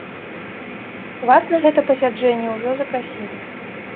Вас на гэта пасяджэнне ўжо запрасілі.